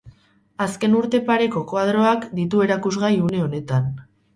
Azken urte pareko koadroak ditu erakusgai une honetan.